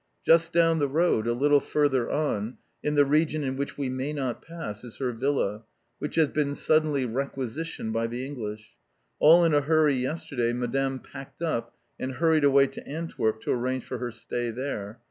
Just down the road, a little further on, in the region in which we may not pass, is her villa, which has been suddenly requisitioned by the English. All in a hurry yesterday, Madame packed up, and hurried away to Antwerp, to arrange for her stay there.